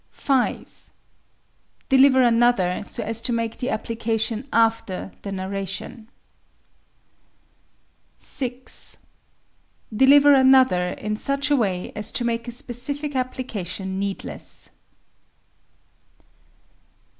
5. Deliver another so as to make the application after the narration. 6. Deliver another in such a way as to make a specific application needless.